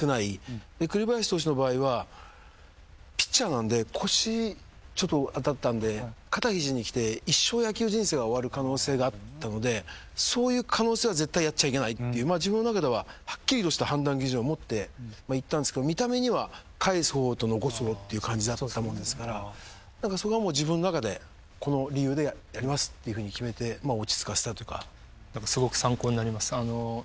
で栗林投手の場合はピッチャーなんで腰ちょっとだったんで肩肘にきて一生野球人生が終わる可能性があったのでそういう可能性は絶対やっちゃいけないっていう自分の中でははっきりとした判断基準を持っていったんですけど見た目には帰す方と残す方っていう感じだったもんですからそこは自分の中でこの理由でやりますっていうふうに決めて落ち着かせたというか。